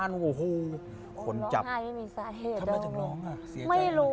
ยูยูมันเป็นขึ้นมา